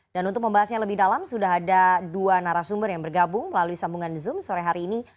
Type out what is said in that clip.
dan untuk membahasnya lebih dalam sudah ada dua narasumber yang bergabung melalui sambungan zoom sore hari ini